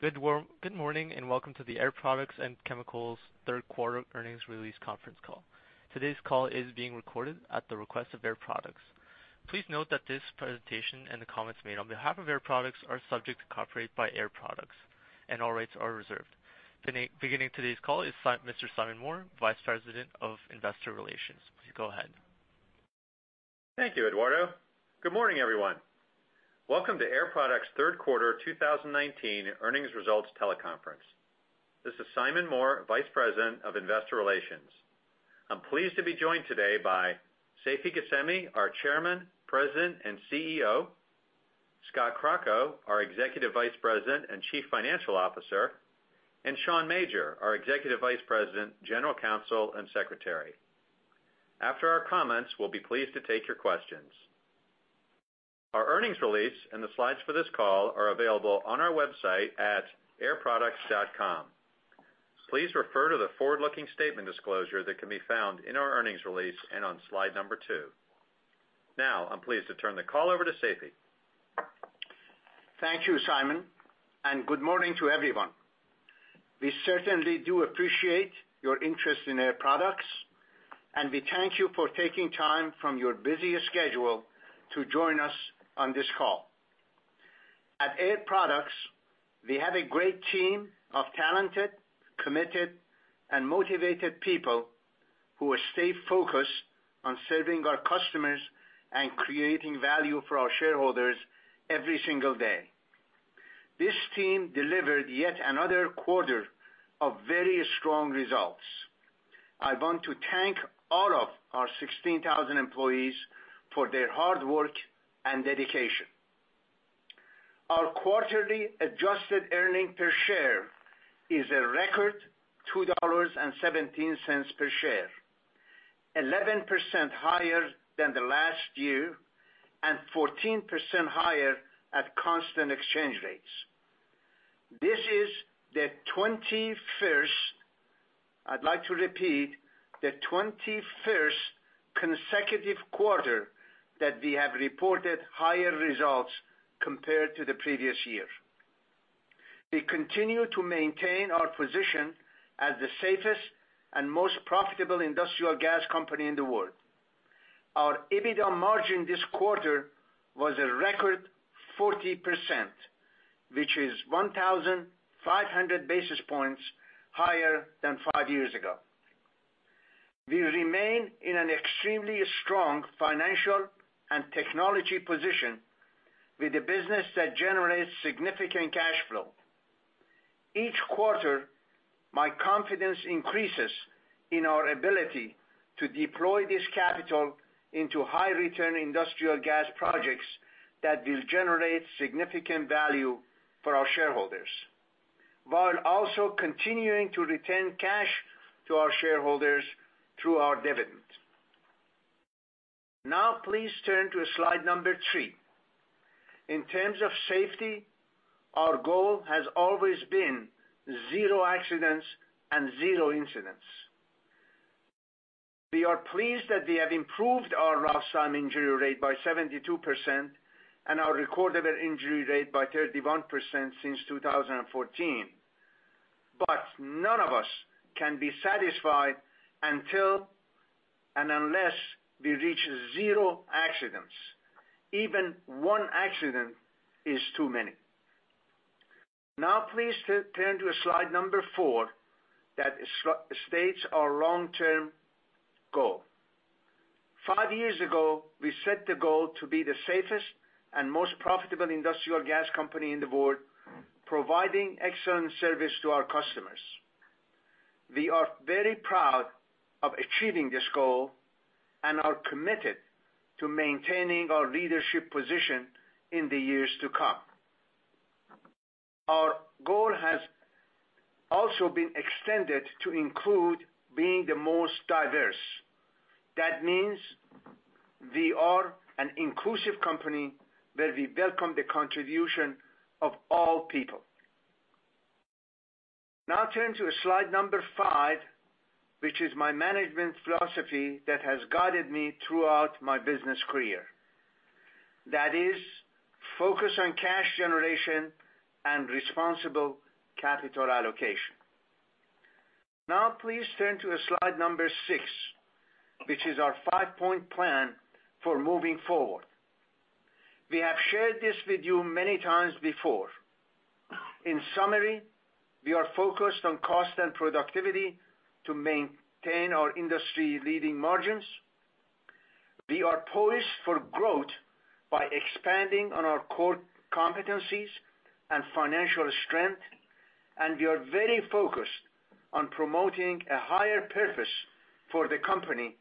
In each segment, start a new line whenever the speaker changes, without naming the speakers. Good morning, and welcome to the Air Products and Chemicals third quarter earnings release conference call. Today's call is being recorded at the request of Air Products. Please note that this presentation and the comments made on behalf of Air Products are subject to copyright by Air Products, and all rights are reserved. Beginning today's call is Mr. Simon Moore, Vice President of Investor Relations. Please go ahead.
Thank you, Eduardo. Good morning, everyone. Welcome to Air Products' third quarter 2019 earnings results teleconference. This is Simon Moore, Vice President of Investor Relations. I'm pleased to be joined today by Seifi Ghasemi, our Chairman, President, and CEO, Scott Crocco, our Executive Vice President and Chief Financial Officer, and Sean Major, our Executive Vice President, General Counsel, and Secretary. After our comments, we'll be pleased to take your questions. Our earnings release and the slides for this call are available on our website at airproducts.com. Please refer to the forward-looking statement disclosure that can be found in our earnings release and on slide number 2. I'm pleased to turn the call over to Seifi.
Thank you, Simon. Good morning to everyone. We certainly do appreciate your interest in Air Products, and we thank you for taking time from your busy schedule to join us on this call. At Air Products, we have a great team of talented, committed, and motivated people who stay focused on serving our customers and creating value for our shareholders every single day. This team delivered yet another quarter of very strong results. I want to thank all of our 16,000 employees for their hard work and dedication. Our quarterly adjusted earnings per share is a record $2.17 per share, 11% higher than the last year and 14% higher at constant exchange rates. This is the 21st, I'd like to repeat, the 21st consecutive quarter that we have reported higher results compared to the previous year. We continue to maintain our position as the safest and most profitable industrial gas company in the world. Our EBITDA margin this quarter was a record 40%, which is 1,500 basis points higher than five years ago. We remain in an extremely strong financial and technology position with a business that generates significant cash flow. Each quarter, my confidence increases in our ability to deploy this capital into high-return industrial gas projects that will generate significant value for our shareholders, while also continuing to return cash to our shareholders through our dividends. Please turn to slide number three. In terms of safety, our goal has always been zero accidents and zero incidents. We are pleased that we have improved our lost time injury rate by 72% and our recordable injury rate by 31% since 2014. None of us can be satisfied until and unless we reach zero accidents. Even one accident is too many. Now, please turn to slide number four that states our long-term goal. Five years ago, we set the goal to be the safest and most profitable industrial gas company in the world, providing excellent service to our customers. We are very proud of achieving this goal and are committed to maintaining our leadership position in the years to come. Our goal has also been extended to include being the most diverse. That means we are an inclusive company where we welcome the contribution of all people. Now turn to slide number five, which is my management philosophy that has guided me throughout my business career. That is, focus on cash generation and responsible capital allocation. Now please turn to slide number six, which is our five-point plan for moving forward. We have shared this with you many times before. In summary, we are focused on cost and productivity to maintain our industry-leading margins. We are poised for growth by expanding on our core competencies and financial strength, and we are very focused on promoting a higher purpose for the company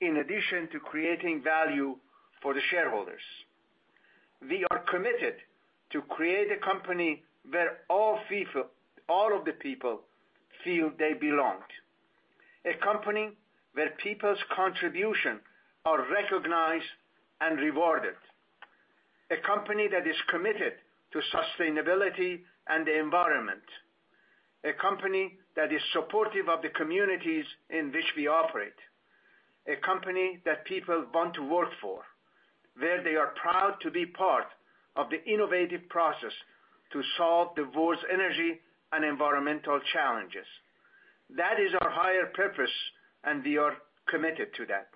in addition to creating value for the shareholders. We are committed to create a company where all of the people feel they belong. A company where people's contribution are recognized and rewarded. A company that is committed to sustainability and the environment. A company that is supportive of the communities in which we operate. A company that people want to work for, where they are proud to be part of the innovative process to solve the world's energy and environmental challenges. That is our higher purpose, and we are committed to that.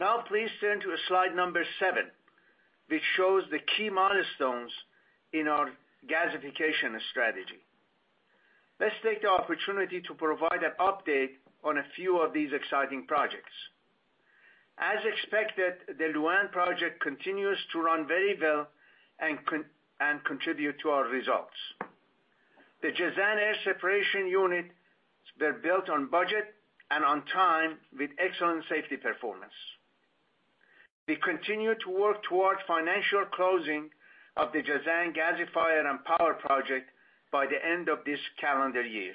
Now please turn to slide number 7, which shows the key milestones in our gasification strategy. Let's take the opportunity to provide an update on a few of these exciting projects. As expected, the Lu'An project continues to run very well and contribute to our results. The Jazan air separation unit, they're built on budget and on time with excellent safety performance. We continue to work toward financial closing of the Jazan gasifier and power project by the end of this calendar year.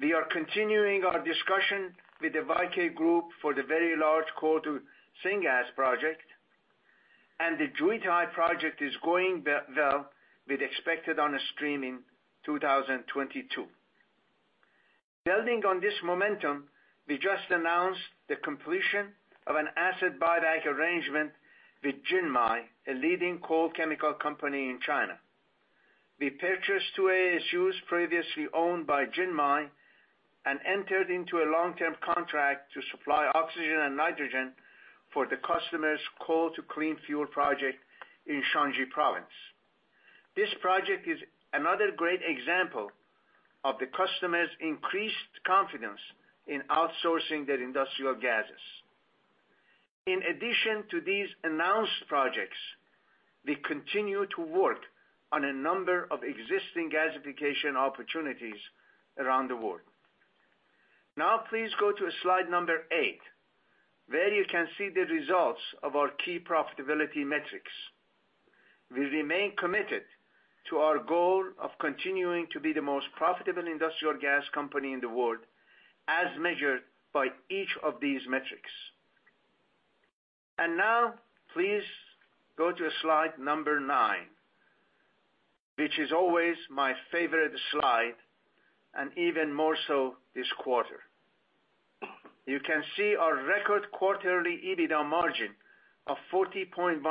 We are continuing our discussion with the Weike Group for the very large coal to syngas project, and the Jiutai project is going well with expected onstream in 2022. Building on this momentum, we just announced the completion of an asset buyback arrangement with Jinmei, a leading coal chemical company in China. We purchased two ASUs previously owned by Jinmei and entered into a long-term contract to supply oxygen and nitrogen for the customer's coal to clean fuel project in Shanxi province. This project is another great example of the customer's increased confidence in outsourcing their industrial gases. In addition to these announced projects, we continue to work on a number of existing gasification opportunities around the world. Now please go to slide number eight, where you can see the results of our key profitability metrics. We remain committed to our goal of continuing to be the most profitable industrial gas company in the world, as measured by each of these metrics. Now please go to slide number nine, which is always my favorite slide, and even more so this quarter. You can see our record quarterly EBITDA margin of 40.1%,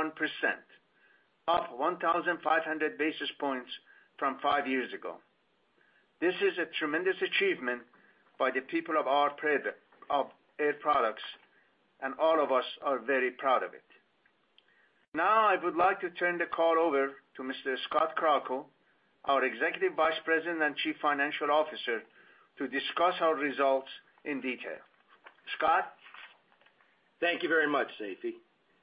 up 1,500 basis points from five years ago. This is a tremendous achievement by the people of Air Products, and all of us are very proud of it. I would like to turn the call over to Mr. Scott Crocco, our Executive Vice President and Chief Financial Officer, to discuss our results in detail. Scott?
Thank you very much, Seifi.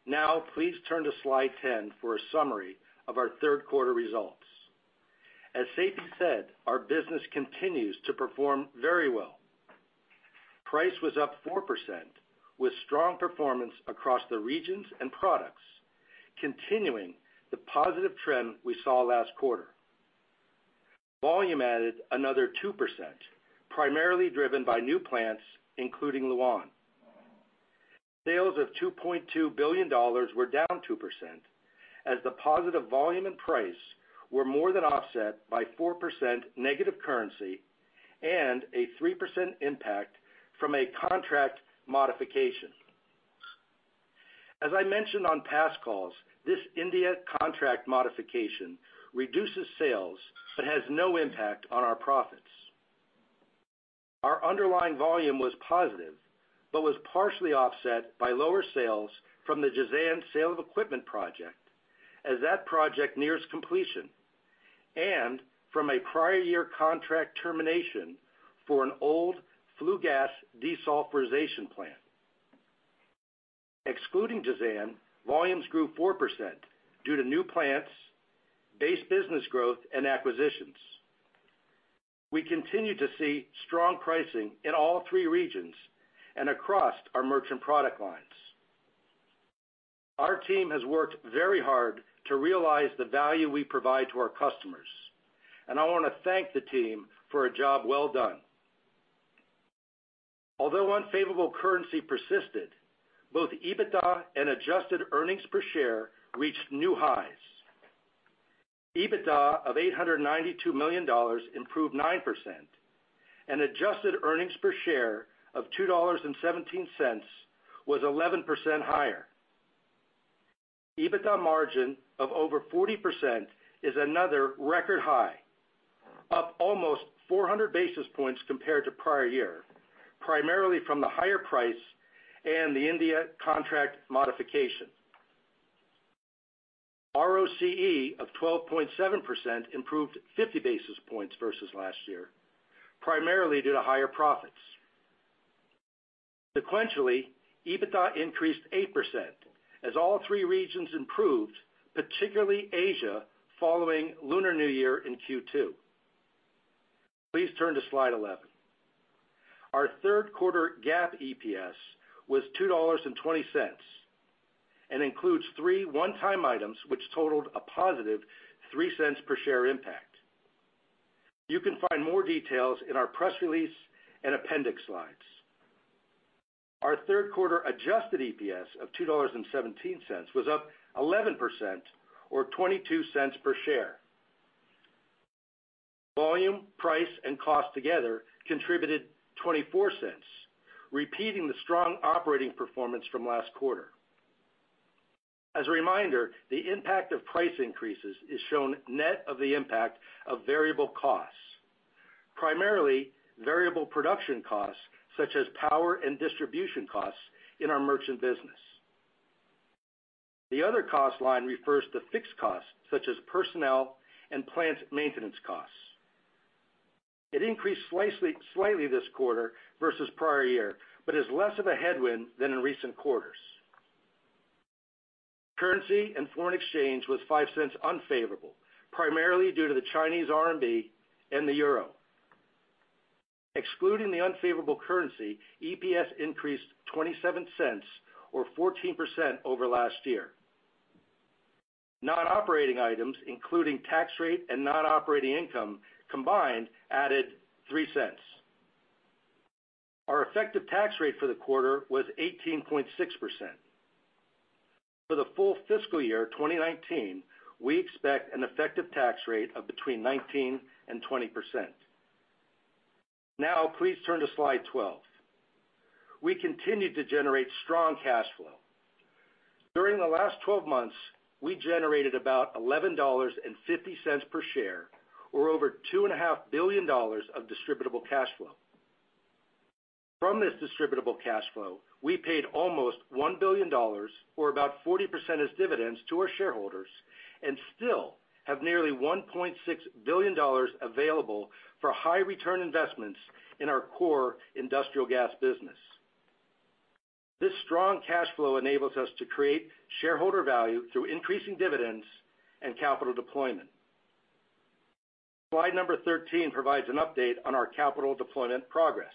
Now please turn to slide 10 for a summary of our third quarter results. As Seifi said, our business continues to perform very well. Price was up 4%, with strong performance across the regions and products, continuing the positive trend we saw last quarter. Volume added another 2%, primarily driven by new plants, including Lu'An. Sales of $2.2 billion were down 2%, as the positive volume and price were more than offset by 4% negative currency and a 3% impact from a contract modification. As I mentioned on past calls, this India contract modification reduces sales but has no impact on our profits. Our underlying volume was positive but was partially offset by lower sales from the Jazan sale of equipment project, as that project nears completion, and from a prior year contract termination for an old flue gas desulfurization plant. Excluding Jazan, volumes grew 4% due to new plants, base business growth, and acquisitions. We continue to see strong pricing in all three regions and across our merchant product lines. Our team has worked very hard to realize the value we provide to our customers, and I want to thank the team for a job well done. Although unfavorable currency persisted, both EBITDA and adjusted earnings per share reached new highs. EBITDA of $892 million improved 9%, and adjusted earnings per share of $2.17 was 11% higher. EBITDA margin of over 40% is another record high, up almost 400 basis points compared to prior year, primarily from the higher price and the India contract modification. ROCE of 12.7% improved 50 basis points versus last year, primarily due to higher profits. Sequentially, EBITDA increased 8% as all three regions improved, particularly Asia following Lunar New Year in Q2. Please turn to slide 11. Our third quarter GAAP EPS was $2.20 and includes three one-time items which totaled a positive $0.03 per share impact. You can find more details in our press release and appendix slides. Our third quarter adjusted EPS of $2.17 was up 11% or $0.22 per share. Volume, price and cost together contributed $0.24, repeating the strong operating performance from last quarter. As a reminder, the impact of price increases is shown net of the impact of variable costs, primarily variable production costs such as power and distribution costs in our merchant business. The other cost line refers to fixed costs such as personnel and plant maintenance costs. It increased slightly this quarter versus prior year, but is less of a headwind than in recent quarters. Currency and foreign exchange was $0.05 unfavorable, primarily due to the Chinese RMB and the EUR. Excluding the unfavorable currency, EPS increased $0.27 or 14% over last year. Non-operating items, including tax rate and non-operating income, combined added $0.03. Our effective tax rate for the quarter was 18.6%. For the full fiscal year 2019, we expect an effective tax rate of between 19% and 20%. Now, please turn to slide 12. We continued to generate strong cash flow. During the last 12 months, we generated about $11.50 per share or over $2.5 billion of distributable cash flow. From this distributable cash flow, we paid almost $1 billion or about 40% as dividends to our shareholders, and still have nearly $1.6 billion available for high return investments in our core industrial gas business. This strong cash flow enables us to create shareholder value through increasing dividends and capital deployment. Slide number 13 provides an update on our capital deployment progress.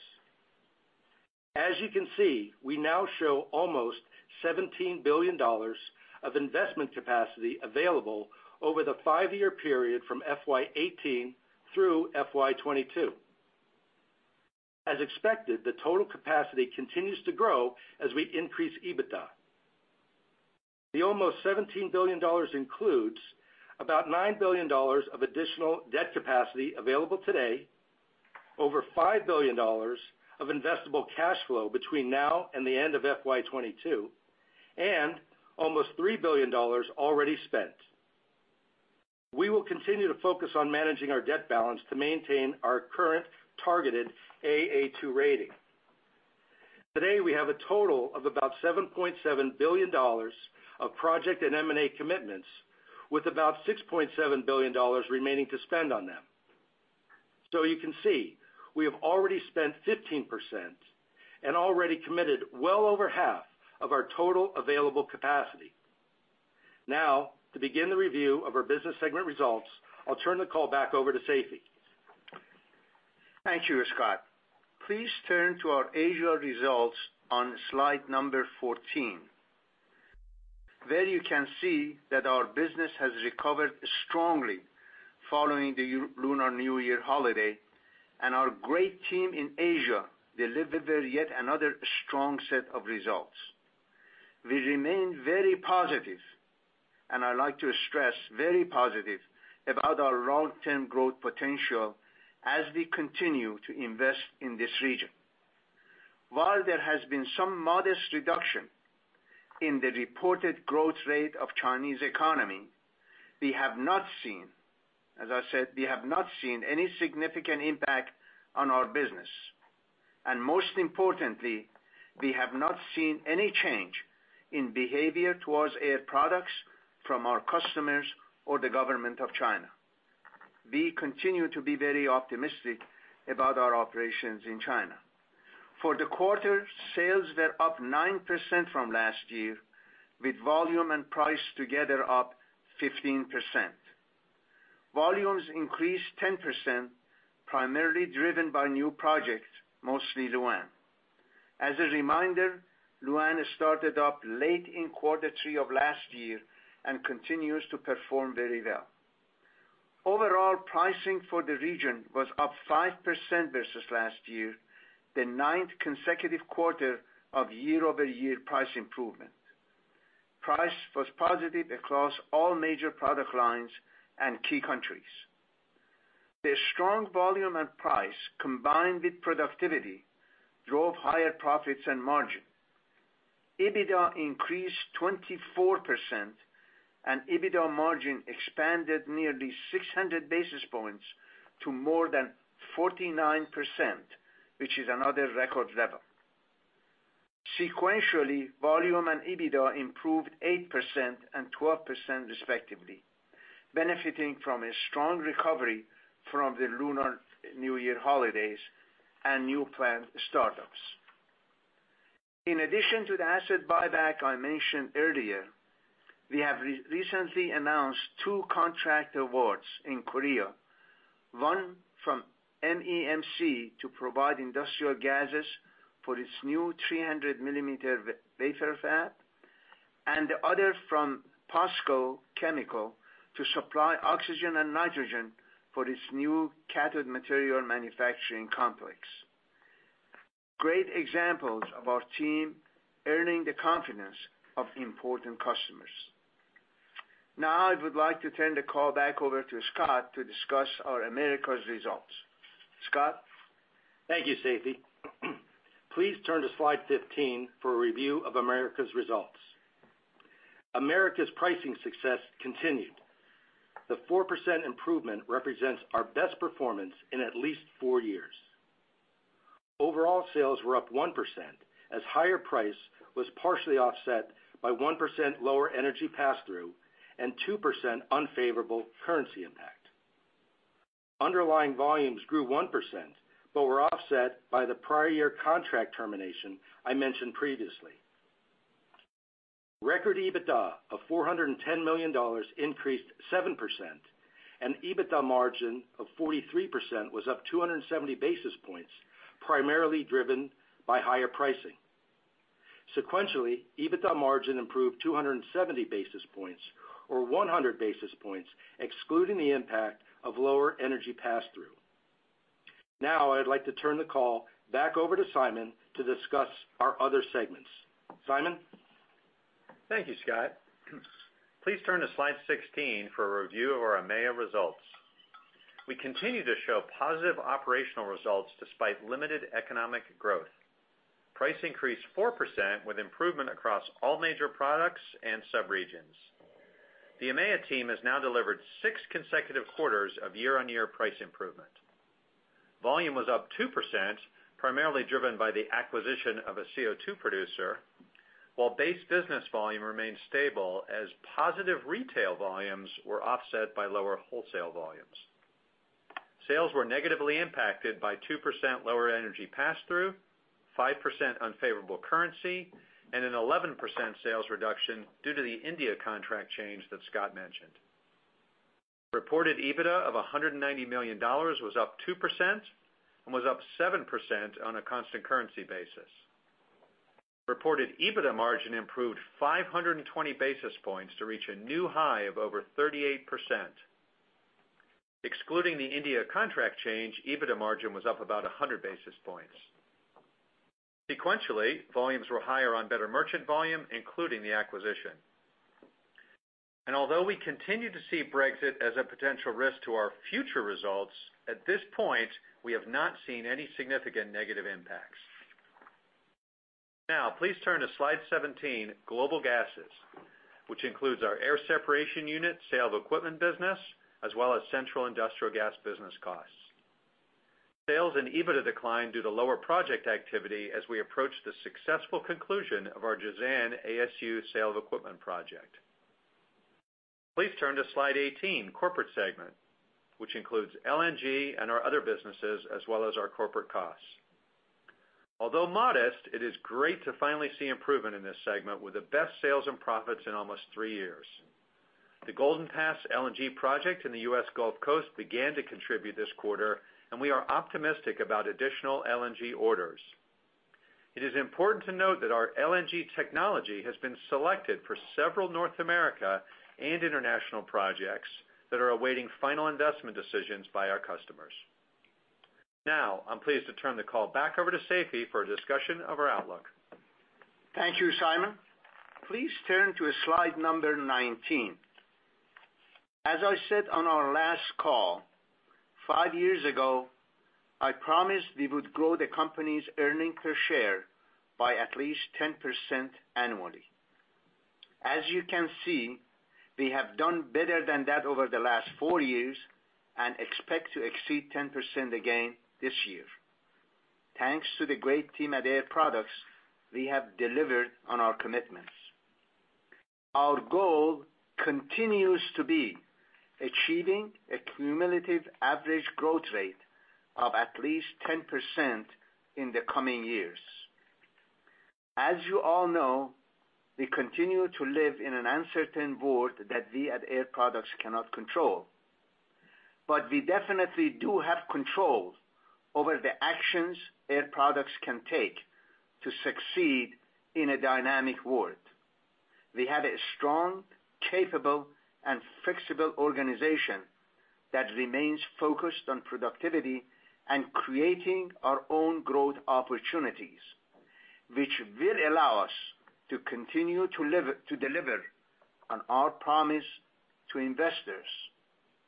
As you can see, we now show $17 billion of investment capacity available over the five-year period from FY 2018 through FY 2022. As expected, the total capacity continues to grow as we increase EBITDA. The $17 billion includes $9 billion of additional debt capacity available today, $5 billion of investable cash flow between now and the end of FY 2022, and $3 billion already spent. We will continue to focus on managing our debt balance to maintain our current targeted Aa2 rating. Today, we have a total of $7.7 billion of project and M&A commitments with $6.7 billion remaining to spend on them. You can see we have already spent 15% and already committed well over half of our total available capacity. To begin the review of our business segment results, I'll turn the call back over to Seifi.
Thank you, Scott. Please turn to our Asia results on slide number 14. There you can see that our business has recovered strongly following the Lunar New Year holiday, and our great team in Asia delivered yet another strong set of results. We remain very positive, and I like to stress very positive about our long-term growth potential as we continue to invest in this region. While there has been some modest reduction in the reported growth rate of Chinese economy, we have not seen, as I said, we have not seen any significant impact on our business. Most importantly, we have not seen any change in behavior towards Air Products from our customers or the government of China. We continue to be very optimistic about our operations in China. For the quarter, sales were up 9% from last year, with volume and price together up 15%. Volumes increased 10%, primarily driven by new projects, mostly Lu'An. As a reminder, Lu'An started up late in quarter three of last year and continues to perform very well. Overall, pricing for the region was up 5% versus last year, the ninth consecutive quarter of year-over-year price improvement. Price was positive across all major product lines and key countries. The strong volume and price, combined with productivity, drove higher profits and margin. EBITDA increased 24%, and EBITDA margin expanded nearly 600 basis points to more than 49%, which is another record level. Sequentially, volume and EBITDA improved 8% and 12% respectively, benefiting from a strong recovery from the Lunar New Year holidays and new plant startups. In addition to the asset buyback I mentioned earlier, we have recently announced two contract awards in Korea, one from MEMC to provide industrial gases for its new 300-millimeter wafer fab. The other from POSCO Chemical to supply oxygen and nitrogen for its new cathode material manufacturing complex. Great examples of our team earning the confidence of important customers. I would like to turn the call back over to Scott to discuss our America's results. Scott?
Thank you, Seifi. Please turn to slide 15 for a review of Americas' results. Americas' pricing success continued. The 4% improvement represents our best performance in at least four years. Overall sales were up 1%, as higher price was partially offset by 1% lower energy pass-through and 2% unfavorable currency impact. Underlying volumes grew 1%, but were offset by the prior year contract termination I mentioned previously. Record EBITDA of $410 million increased 7%, and EBITDA margin of 43% was up 270 basis points, primarily driven by higher pricing. Sequentially, EBITDA margin improved 270 basis points, or 100 basis points, excluding the impact of lower energy pass-through. Now I'd like to turn the call back over to Simon to discuss our other segments. Simon?
Thank you, Scott. Please turn to slide 16 for a review of our EMEA results. We continue to show positive operational results despite limited economic growth. Price increased 4% with improvement across all major products and subregions. The EMEA team has now delivered six consecutive quarters of year-on-year price improvement. Volume was up 2%, primarily driven by the acquisition of a CO2 producer, while base business volume remained stable as positive retail volumes were offset by lower wholesale volumes. Sales were negatively impacted by 2% lower energy pass-through, 5% unfavorable currency, and an 11% sales reduction due to the India contract change that Scott mentioned. Reported EBITDA of $190 million was up 2% and was up 7% on a constant currency basis. Reported EBITDA margin improved 520 basis points to reach a new high of over 38%. Excluding the India contract change, EBITDA margin was up about 100 basis points. Sequentially, volumes were higher on better merchant volume, including the acquisition. Although we continue to see Brexit as a potential risk to our future results, at this point, we have not seen any significant negative impacts. Now, please turn to slide 17, Global Gases, which includes our air separation unit, sale of equipment business, as well as central industrial gas business costs. Sales and EBITDA declined due to lower project activity as we approach the successful conclusion of our Jazan ASU sale of equipment project. Please turn to slide 18, corporate segment, which includes LNG and our other businesses, as well as our corporate costs. Although modest, it is great to finally see improvement in this segment with the best sales and profits in almost three years. The Golden Pass LNG project in the U.S. Gulf Coast began to contribute this quarter. We are optimistic about additional LNG orders. It is important to note that our LNG technology has been selected for several North America and international projects that are awaiting final investment decisions by our customers. I'm pleased to turn the call back over to Seifi for a discussion of our outlook.
Thank you, Simon. Please turn to slide number 19. As I said on our last call, five years ago, I promised we would grow the company's earnings per share by at least 10% annually. As you can see, we have done better than that over the last four years and expect to exceed 10% again this year. Thanks to the great team at Air Products, we have delivered on our commitments. Our goal continues to be achieving a cumulative average growth rate of at least 10% in the coming years. As you all know, we continue to live in an uncertain world that we at Air Products cannot control. We definitely do have control over the actions Air Products can take to succeed in a dynamic world. We have a strong, capable and flexible organization that remains focused on productivity and creating our own growth opportunities, which will allow us to continue to deliver on our promise to investors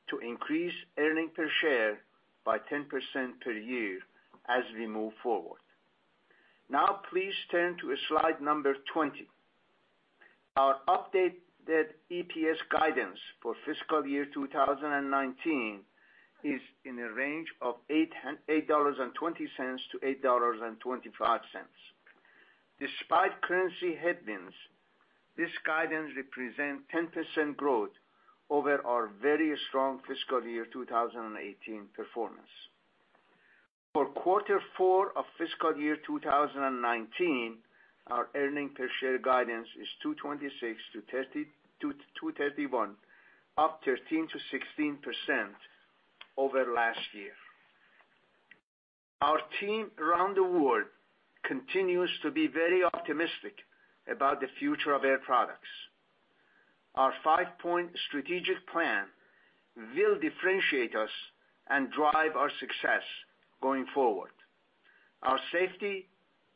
to increase earning per share by 10% per year as we move forward. Please turn to slide number 20. Our updated EPS guidance for fiscal year 2019 is in a range of $8.20-$8.25. Despite currency headwinds, this guidance represent 10% growth over our very strong fiscal year 2018 performance. For quarter four of fiscal year 2019, our earning per share guidance is $2.26-$2.31, up 13%-16% over last year. Our team around the world continues to be very optimistic about the future of Air Products. Our five-point strategic plan will differentiate us and drive our success going forward. Our safety,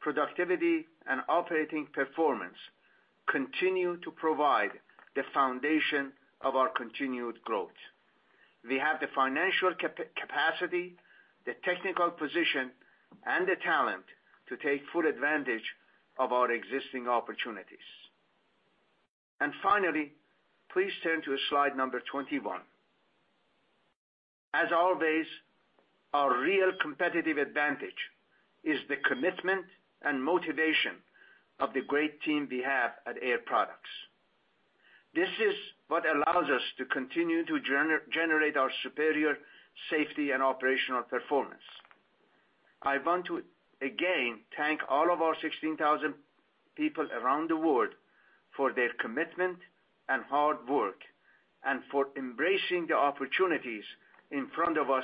productivity, and operating performance continue to provide the foundation of our continued growth. We have the financial capacity, the technical position, and the talent to take full advantage of our existing opportunities. Finally, please turn to slide number 21. As always, our real competitive advantage is the commitment and motivation of the great team we have at Air Products. This is what allows us to continue to generate our superior safety and operational performance. I want to, again, thank all of our 16,000 people around the world for their commitment and hard work, and for embracing the opportunities in front of us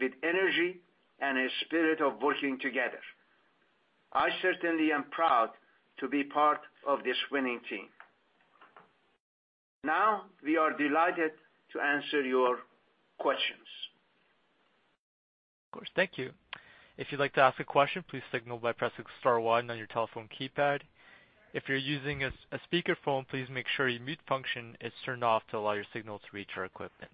with energy and a spirit of working together. I certainly am proud to be part of this winning team. We are delighted to answer your questions.
Of course. Thank you. If you'd like to ask a question, please signal by pressing star one on your telephone keypad. If you're using a speakerphone, please make sure your mute function is turned off to allow your signal to reach our equipment.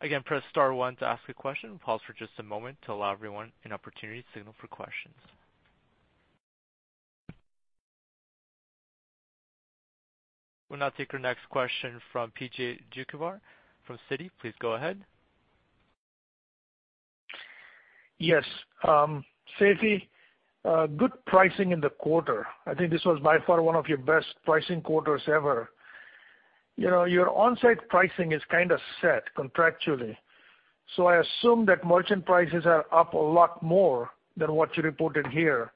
Again, press star one to ask a question. We'll pause for just a moment to allow everyone an opportunity to signal for questions. We'll now take our next question from PJ Juvekar from Citi. Please go ahead.
Yes. Seifi, good pricing in the quarter. I think this was by far one of your best pricing quarters ever. Your on-site pricing is kind of set contractually, so I assume that merchant prices are up a lot more than what you reported here.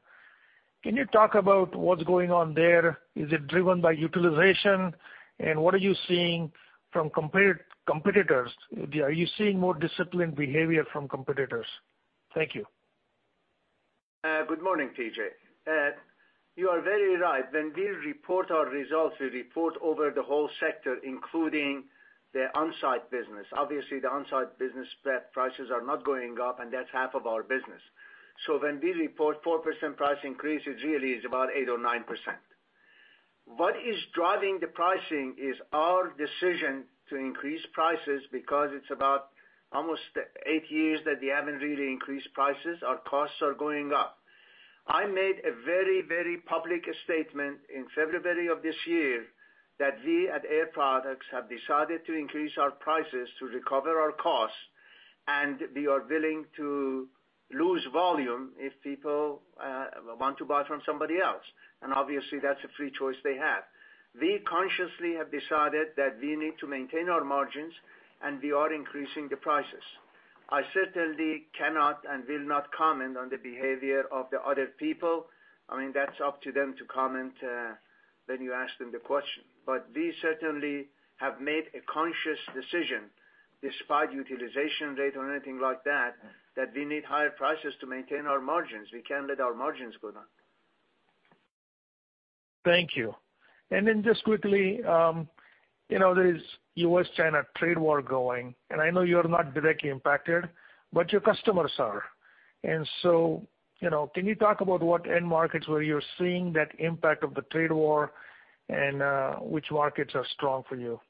Can you talk about what's going on there? Is it driven by utilization? What are you seeing from competitors? Are you seeing more disciplined behavior from competitors? Thank you.
Good morning, PJ. You are very right. When we report our results, we report over the whole sector, including the on-site business. Obviously, the on-site business prices are not going up, and that's half of our business. When we report 4% price increase, it really is about 8% or 9%. What is driving the pricing is our decision to increase prices because it's about almost eight years that we haven't really increased prices. Our costs are going up. I made a very, very public statement in February of this year that we at Air Products have decided to increase our prices to recover our costs, and we are willing to lose volume if people want to buy from somebody else. Obviously, that's a free choice they have. We consciously have decided that we need to maintain our margins, and we are increasing the prices. I certainly cannot and will not comment on the behavior of the other people. I mean, that's up to them to comment, when you ask them the question. We certainly have made a conscious decision, despite utilization rate or anything like that we need higher prices to maintain our margins. We can't let our margins go down.
Thank you. Just quickly, there's U.S.-China trade war going, I know you're not directly impacted, but your customers are. Can you talk about what end markets where you're seeing that impact of the trade war and which markets are strong for you?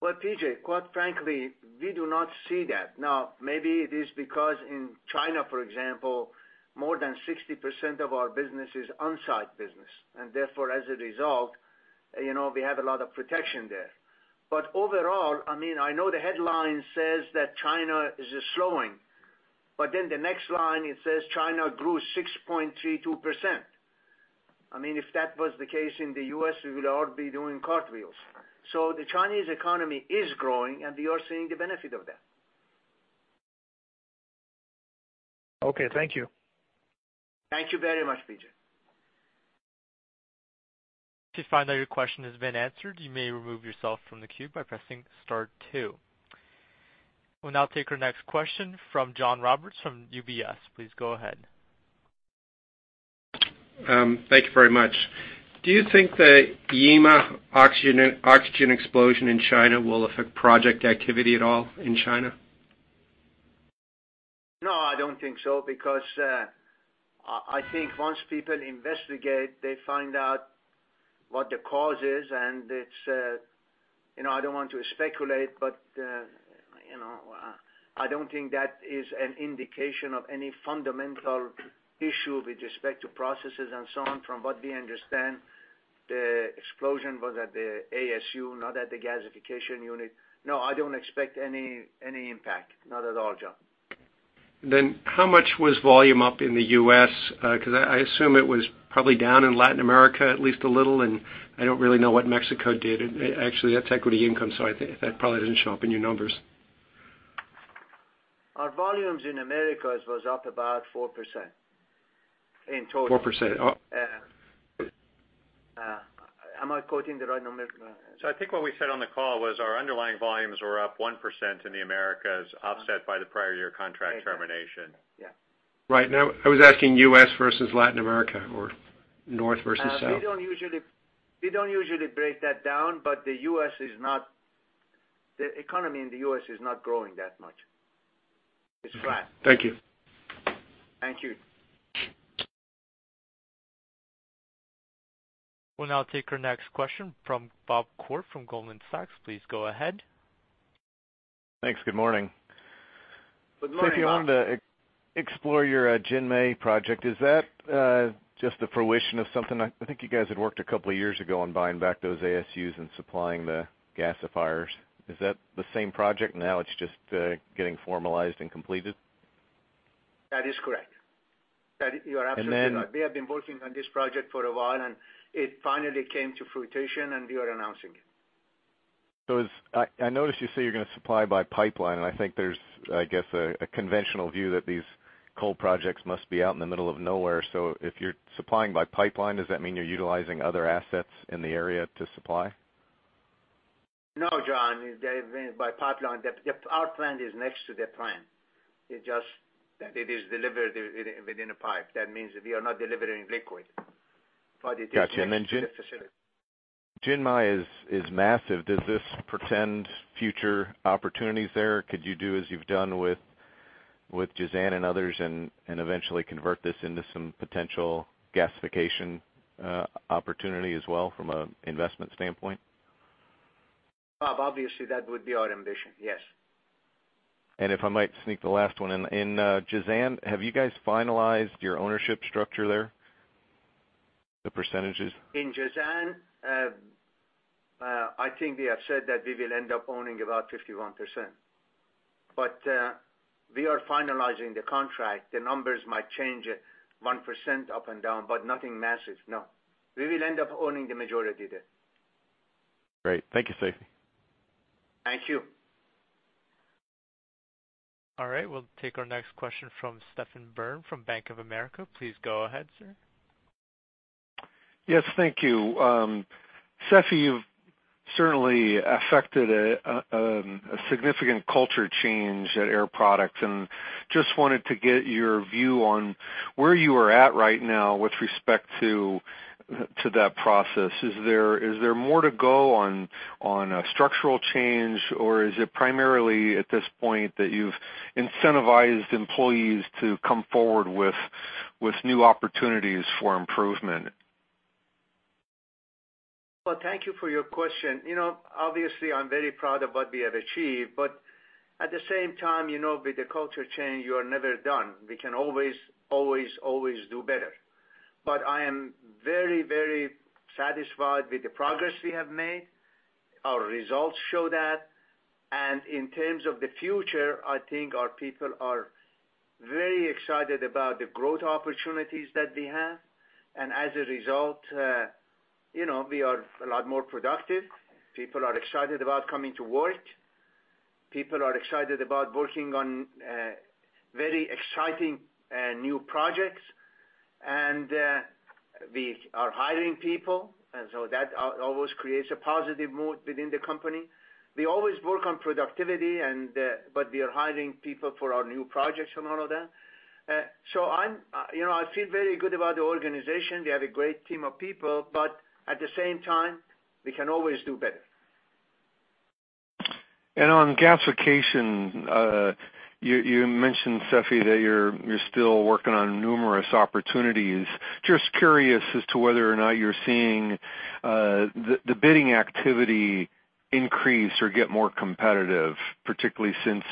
Well, PJ, quite frankly, we do not see that. Maybe it is because in China, for example, more than 60% of our business is on-site business, and therefore, as a result, we have a lot of protection there. Overall, I know the headline says that China is slowing, but then the next line, it says China grew 6.32%. If that was the case in the U.S., we would all be doing cartwheels. The Chinese economy is growing, and we are seeing the benefit of that.
Okay. Thank you.
Thank you very much, PJ.
If you find that your question has been answered, you may remove yourself from the queue by pressing star two. We'll now take our next question from John Roberts from UBS. Please go ahead.
Thank you very much. Do you think the Yima oxygen explosion in China will affect project activity at all in China?
No, I don't think so because, I think once people investigate, they find out what the cause is, and I don't want to speculate, but I don't think that is an indication of any fundamental issue with respect to processes and so on. From what we understand, the explosion was at the ASU, not at the gasification unit. No, I don't expect any impact. Not at all, John.
How much was volume up in the U.S.? I assume it was probably down in Latin America at least a little, and I don't really know what Mexico did. That's equity income, so that probably didn't show up in your numbers.
Our volumes in Americas was up about 4% in total.
4%.
I'm quoting the right number.
I think what we said on the call was our underlying volumes were up 1% in the Americas, offset by the prior year contract termination.
Yeah.
Right. No, I was asking U.S. versus Latin America, or North versus South.
We don't usually break that down, but the economy in the U.S. is not growing that much. It's flat.
Thank you.
Thank you.
We'll now take our next question from Bob Koort from Goldman Sachs. Please go ahead.
Thanks. Good morning.
Good morning, Bob.
Seifi, I wanted to explore your Jinmei project. Is that just the fruition of something? I think you guys had worked a couple of years ago on buying back those ASUs and supplying the gasifiers. Is that the same project, now it's just getting formalized and completed?
That is correct. You are absolutely right.
And then-
We have been working on this project for a while, and it finally came to fruition, and we are announcing it.
I noticed you say you're going to supply by pipeline, and I think there's, I guess, a conventional view that these coal projects must be out in the middle of nowhere. If you're supplying by pipeline, does that mean you're utilizing other assets in the area to supply?
No, John, by pipeline, our plant is next to their plant. It is delivered within a pipe. That means we are not delivering liquid. It is next to the facility.
Got you. Jinmei is massive. Does this portend future opportunities there? Could you do as you've done with Jazan and others and eventually convert this into some potential gasification opportunity as well from an investment standpoint?
Bob, obviously that would be our ambition, yes.
If I might sneak the last one in. In Jazan, have you guys finalized your ownership structure there? The percentages.
In Jazan, I think we have said that we will end up owning about 51%. We are finalizing the contract. The numbers might change 1% up and down, nothing massive, no. We will end up owning the majority there.
Great. Thank you, Seifi.
Thank you.
All right. We'll take our next question from Steve Byrne from Bank of America. Please go ahead, sir.
Yes, thank you. Seifi, you've certainly affected a significant culture change at Air Products, and just wanted to get your view on where you are at right now with respect to that process. Is there more to go on a structural change, or is it primarily at this point that you've incentivized employees to come forward with new opportunities for improvement?
Well, thank you for your question. Obviously, I am very proud of what we have achieved, but at the same time, with the culture change, you are never done. We can always do better. I am very satisfied with the progress we have made. Our results show that. In terms of the future, I think our people are very excited about the growth opportunities that we have. As a result, we are a lot more productive. People are excited about coming to work. People are excited about working on very exciting new projects. We are hiring people, and so that always creates a positive mood within the company. We always work on productivity, but we are hiring people for our new projects and all of that. I feel very good about the organization. We have a great team of people, but at the same time, we can always do better.
On gasification, you mentioned, Seifi, that you're still working on numerous opportunities. Just curious as to whether or not you're seeing the bidding activity increase or get more competitive, particularly since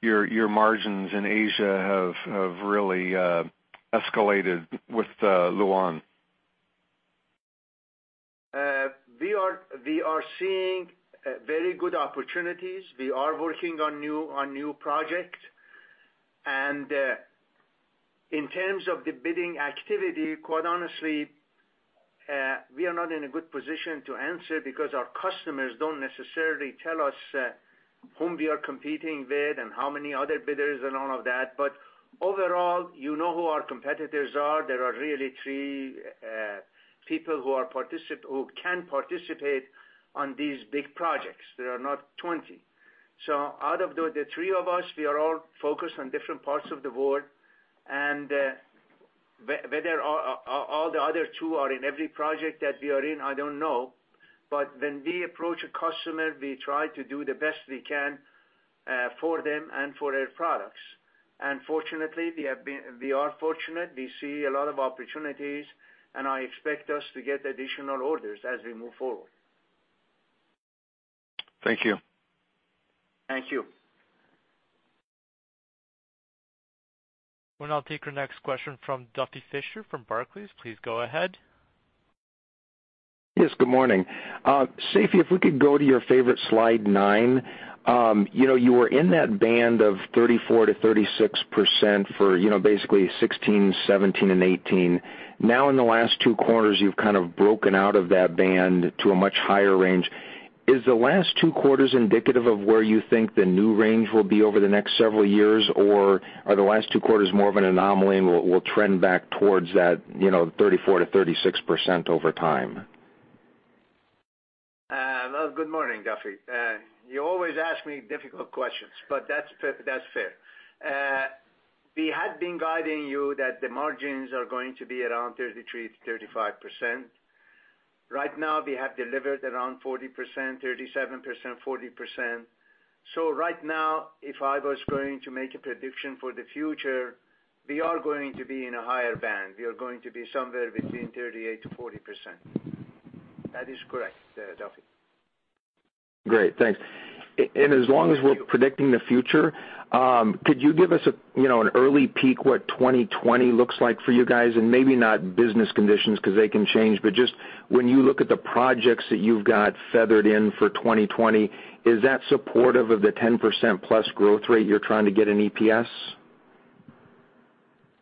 your margins in Asia have really escalated with Lu'An.
We are seeing very good opportunities. We are working on new projects. In terms of the bidding activity, quite honestly, we are not in a good position to answer because our customers don't necessarily tell us whom we are competing with and how many other bidders and all of that. Overall, you know who our competitors are. There are really three people who can participate on these big projects. There are not 20. Out of the three of us, we are all focused on different parts of the world, and whether all the other two are in every project that we are in, I don't know. When we approach a customer, we try to do the best we can for them and for their products. Fortunately, we are fortunate. We see a lot of opportunities, and I expect us to get additional orders as we move forward.
Thank you.
Thank you.
We'll now take our next question from Duffy Fischer from Barclays. Please go ahead.
Yes, good morning. Seifi, if we could go to your favorite slide nine. You were in that band of 34%-36% for basically 2016, 2017, and 2018. In the last two quarters, you've kind of broken out of that band to a much higher range. Is the last two quarters indicative of where you think the new range will be over the next several years? Are the last two quarters more of an anomaly and will trend back towards that 34%-36% over time?
Well, good morning, Duffy. You always ask me difficult questions, but that's fair. We had been guiding you that the margins are going to be around 33%-35%. Right now, we have delivered around 40%, 37%, 40%. Right now, if I was going to make a prediction for the future, we are going to be in a higher band. We are going to be somewhere between 38%-40%. That is correct, Duffy.
Great, thanks. As long as we're predicting the future, could you give us an early peek what 2020 looks like for you guys, and maybe not business conditions because they can change, but just when you look at the projects that you've got feathered in for 2020, is that supportive of the 10% plus growth rate you're trying to get in EPS?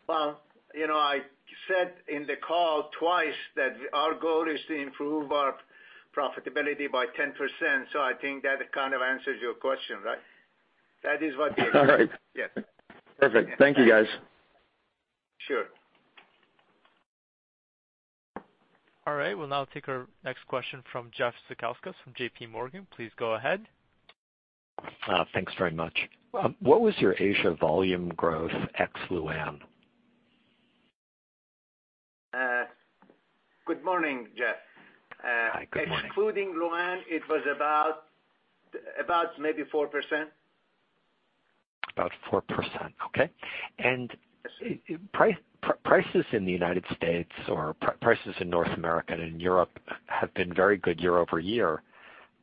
Well, I said in the call twice that our goal is to improve our profitability by 10%, so I think that kind of answers your question, right? That is what we are-
All right.
Yes.
Perfect. Thank you, guys.
Sure.
All right. We'll now take our next question from Jeff Zekauskas from J.P. Morgan. Please go ahead.
Thanks very much. What was your Asia volume growth ex Lu'An?
Good morning, Jeff.
Hi, good morning.
Excluding Lu'An, it was about maybe 4%.
About 4%. Okay. Prices in the United States or prices in North America and in Europe have been very good year-over-year,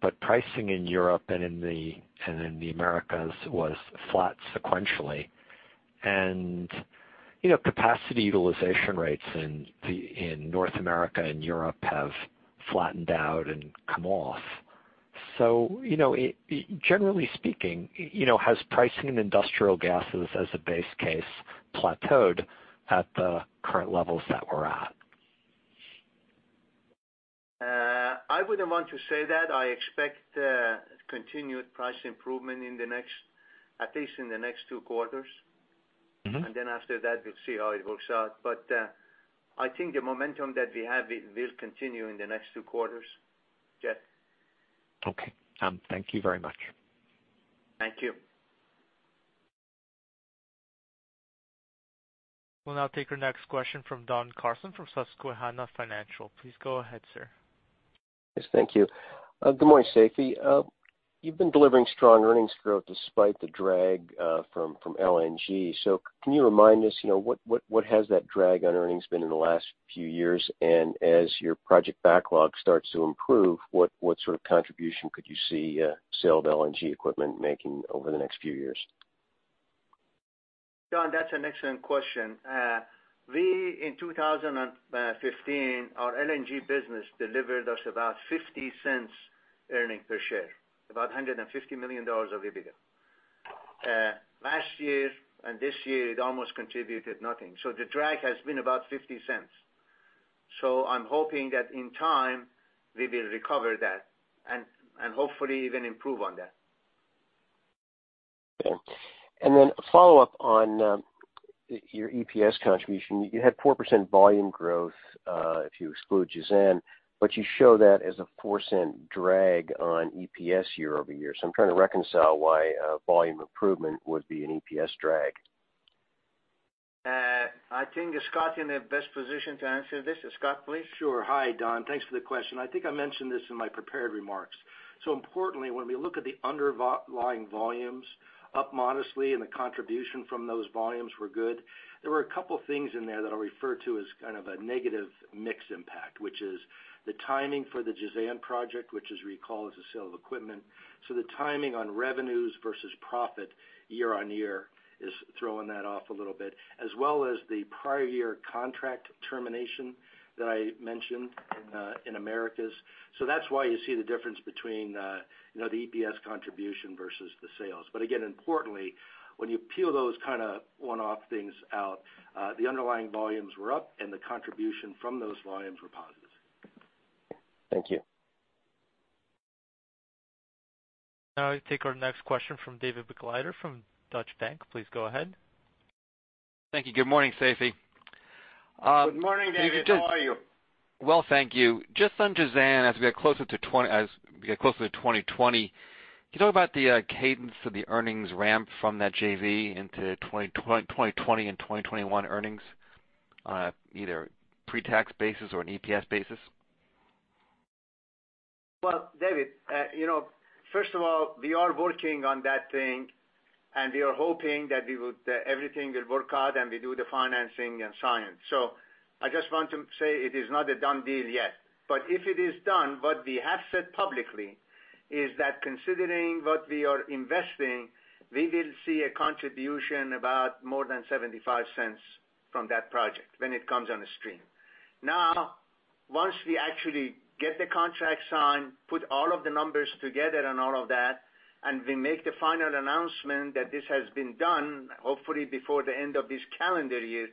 but pricing in Europe and in the Americas was flat sequentially. Capacity utilization rates in North America and Europe have flattened out and come off. Generally speaking, has pricing in industrial gases as a base case plateaued at the current levels that we're at?
I wouldn't want to say that. I expect continued price improvement, at least in the next two quarters. After that, we'll see how it works out. I think the momentum that we have will continue in the next two quarters, Jeff.
Okay. Thank you very much.
Thank you.
We'll now take our next question from Don Carson from Susquehanna Financial. Please go ahead, sir.
Yes, thank you. Good morning, Seifi. You've been delivering strong earnings growth despite the drag from LNG. Can you remind us what has that drag on earnings been in the last few years? As your project backlog starts to improve, what sort of contribution could you see sale of LNG equipment making over the next few years?
Don, that's an excellent question. We, in 2015, our LNG business delivered us about $0.50 earning per share, about $150 million of EBITDA. Last year and this year, it almost contributed nothing. The drag has been about $0.50. I'm hoping that in time, we will recover that and hopefully even improve on that.
Okay. A follow-up on your EPS contribution. You had 4% volume growth if you exclude Jazan, you show that as a $0.04 drag on EPS year-over-year. I'm trying to reconcile why volume improvement would be an EPS drag.
I think Scott's in the best position to answer this. Scott, please.
Sure. Hi, Don. Thanks for the question. I think I mentioned this in my prepared remarks. Importantly, when we look at the underlying volumes up modestly and the contribution from those volumes were good, there were a couple of things in there that I'll refer to as kind of a negative mix impact, which is the timing for the Jazan project, which as you recall, is a sale of equipment. The timing on revenues versus profit year-on-year is throwing that off a little bit, as well as the prior year contract termination that I mentioned in Americas. That's why you see the difference between the EPS contribution versus the sales. Again, importantly, when you peel those one-off things out, the underlying volumes were up and the contribution from those volumes were positive.
Thank you.
Now we take our next question from David Begleiter from Deutsche Bank. Please go ahead.
Thank you. Good morning, Seifi.
Good morning, David. How are you?
Well, thank you. Just on Jazan, as we get closer to 2020, can you talk about the cadence of the earnings ramp from that JV into 2020 and 2021 earnings on either a pre-tax basis or an EPS basis?
Well, David, first of all, we are working on that thing, and we are hoping that everything will work out, and we do the financing and sign. I just want to say it is not a done deal yet. If it is done, what we have said publicly is that considering what we are investing, we will see a contribution about more than $0.75 from that project when it comes on the stream. Now, once we actually get the contract signed, put all of the numbers together and all of that, and we make the final announcement that this has been done, hopefully before the end of this calendar year,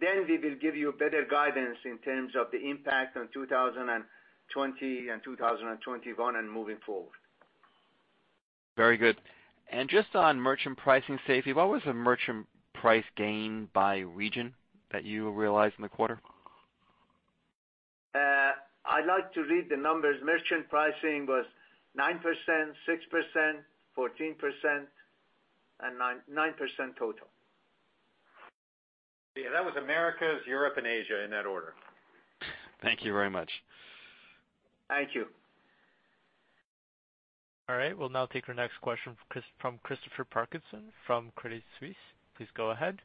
then we will give you better guidance in terms of the impact on 2020 and 2021 and moving forward.
Very good. Just on merchant pricing, Seifi, what was the merchant price gain by region that you realized in the quarter?
I'd like to read the numbers. Merchant pricing was 9%, 6%, 14%, and 9% total.
Yeah, that was Americas, Europe, and Asia in that order.
Thank you very much.
Thank you.
All right. We'll now take our next question from Christopher Parkinson from Credit Suisse. Please go ahead.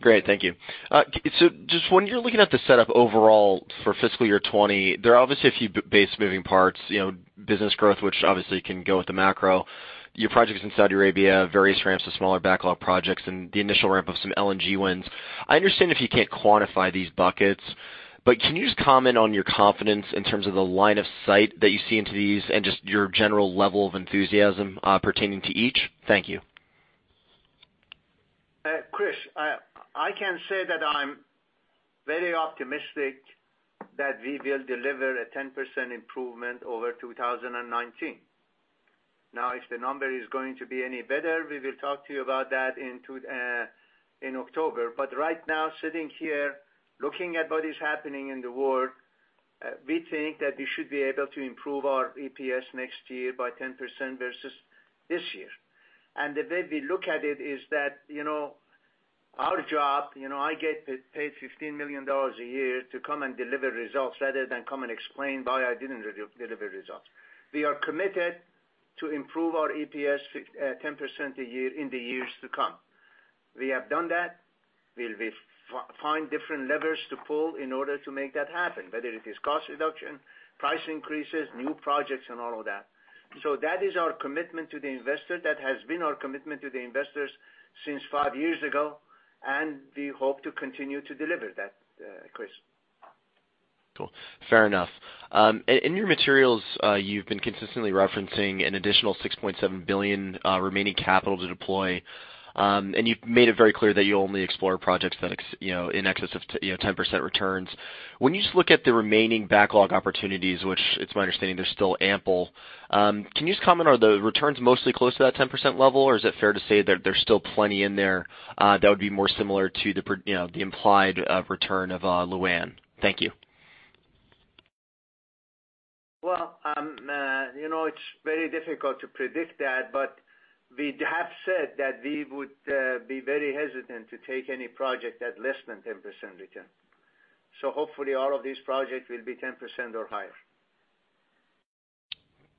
Great. Thank you. Just when you're looking at the setup overall for fiscal year 2020, there are obviously a few base moving parts, business growth, which obviously can go with the macro. Your projects in Saudi Arabia, various ramps of smaller backlog projects, and the initial ramp of some LNG wins. I understand if you can't quantify these buckets, but can you just comment on your confidence in terms of the line of sight that you see into these and just your general level of enthusiasm pertaining to each? Thank you.
Chris, I can say that I'm very optimistic that we will deliver a 10% improvement over 2019. If the number is going to be any better, we will talk to you about that in October. Right now, sitting here, looking at what is happening in the world, we think that we should be able to improve our EPS next year by 10% versus this year. The way we look at it is that our job, I get paid $15 million a year to come and deliver results rather than come and explain why I didn't deliver results. We are committed to improve our EPS 10% a year in the years to come. We have done that. We'll find different levers to pull in order to make that happen, whether it is cost reduction, price increases, new projects, and all of that. That is our commitment to the investor. That has been our commitment to the investors since five years ago, and we hope to continue to deliver that, Chris.
Cool. Fair enough. In your materials, you've been consistently referencing an additional $6.7 billion remaining capital to deploy. You've made it very clear that you only explore projects in excess of 10% returns. When you just look at the remaining backlog opportunities, which it's my understanding they're still ample, can you just comment, are the returns mostly close to that 10% level, or is it fair to say that there's still plenty in there that would be more similar to the implied return of Lu'An? Thank you.
It's very difficult to predict that, but we have said that we would be very hesitant to take any project at less than 10% return. Hopefully, all of these projects will be 10% or higher.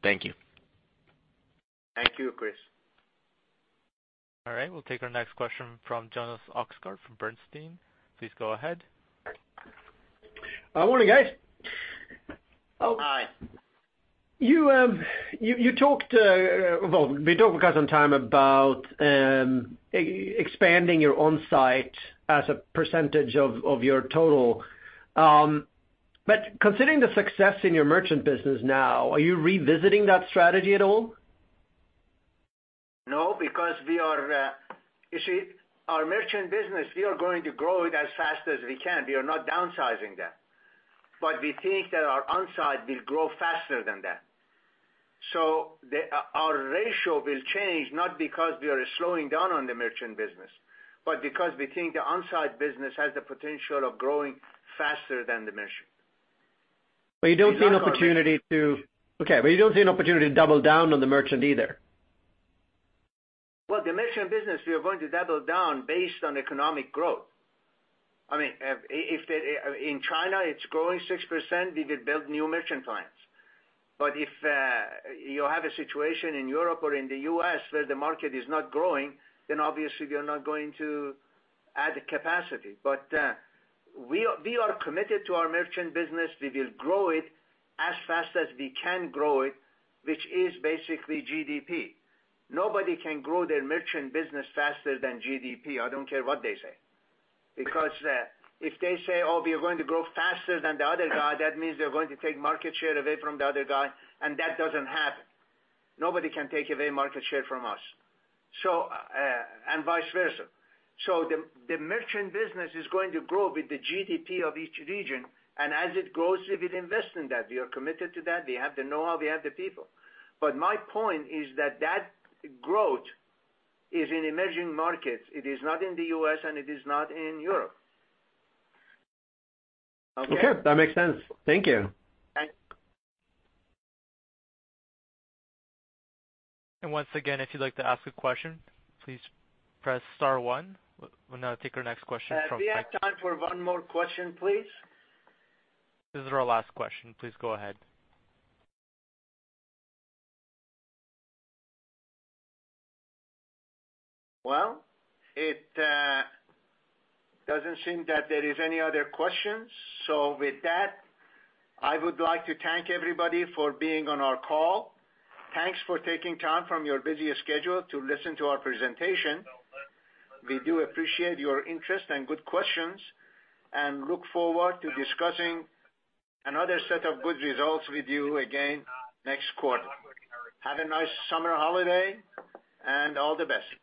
Thank you.
Thank you, Chris.
All right. We'll take our next question from Jonas Oxgaard from Bernstein. Please go ahead.
Morning, guys.
Hi.
We talked some time about expanding your on-site as a percentage of your total. Considering the success in your merchant business now, are you revisiting that strategy at all?
You see, our merchant business, we are going to grow it as fast as we can. We are not downsizing that. We think that our on-site will grow faster than that. Our ratio will change, not because we are slowing down on the merchant business, but because we think the on-site business has the potential of growing faster than the merchant.
You don't see an opportunity to double down on the merchant either?
Well, the merchant business, we are going to double down based on economic growth. If in China it's growing 6%, we will build new merchant plants. If you have a situation in Europe or in the U.S. where the market is not growing, then obviously we are not going to add capacity. We are committed to our merchant business. We will grow it as fast as we can grow it, which is basically GDP. Nobody can grow their merchant business faster than GDP. I don't care what they say. If they say, "Oh, we are going to grow faster than the other guy," that means they're going to take market share away from the other guy, and that doesn't happen. Nobody can take away market share from us, and vice versa. The merchant business is going to grow with the GDP of each region, and as it grows, we will invest in that. We are committed to that. We have the know-how, we have the people. My point is that growth is in emerging markets. It is not in the U.S., and it is not in Europe. Okay?
Okay. That makes sense. Thank you.
Thank you.
Once again, if you'd like to ask a question, please press star one. We'll now take our next question from-
Do we have time for one more question, please?
This is our last question. Please go ahead.
Well, it doesn't seem that there is any other questions. With that, I would like to thank everybody for being on our call. Thanks for taking time from your busy schedule to listen to our presentation. We do appreciate your interest and good questions and look forward to discussing another set of good results with you again next quarter. Have a nice summer holiday, and all the best.